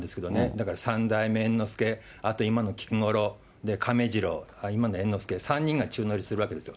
だから三代目猿之助、あと今のきくごろう、亀治郎、今の猿之助、３人が宙乗りするわけですよ。